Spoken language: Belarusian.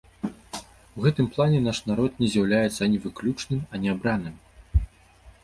У гэтым плане наш народ не з'яўляецца ані выключным, ані абраным.